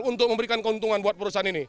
untuk memberikan keuntungan